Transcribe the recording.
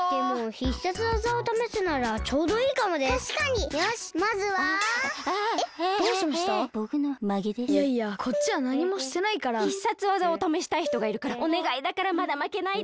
必殺技をためしたいひとがいるからおねがいだからまだまけないで。